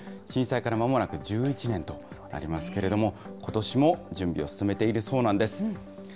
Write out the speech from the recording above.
震災からまもなく１１年となりますけれども、ことしも準備を進めているそうなんです。